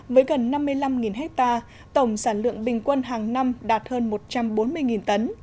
với gần năm mươi năm hectare tổng sản lượng bình quân hàng năm đạt hơn một trăm bốn mươi tấn